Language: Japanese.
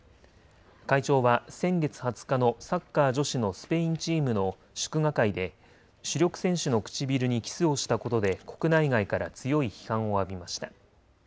会長は先月２０日のサッカー女子のスペインチームの祝賀会で主力選手の唇にキスをしたことで国内外から強い批判を浴びました。